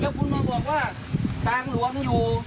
คุณมาบอกว่าทางหลวงอยู่